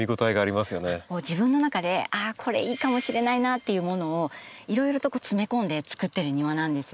自分の中でああこれいいかもしれないな！っていうものをいろいろと詰め込んでつくってる庭なんですよ。